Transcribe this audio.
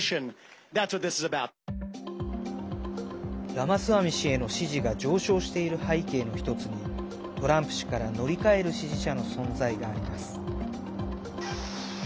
ラマスワミ氏への支持が上昇している背景の１つにトランプ氏から乗り換える支持者の存在があります。